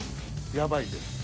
やばいです。